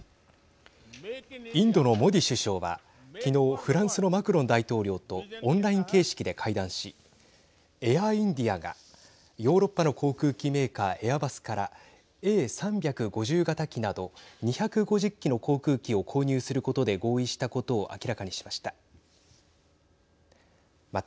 インドのモディ首相は昨日フランスのマクロン大統領とオンライン形式で会談しエア・インディアがヨーロッパの航空機メーカーエアバスからＡ３５０型機など２５０機の航空機を購入することで合意したことを明らかにしました。